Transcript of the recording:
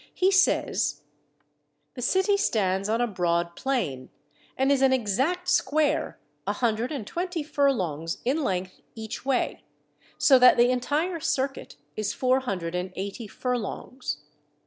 He says: The city stands on a broad plain, and is an exact square, a hundred and twenty furlongs in length each way, so that the entire circuit is four hundred and eighty furlongs.